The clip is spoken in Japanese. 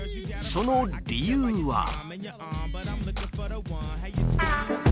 その理由は。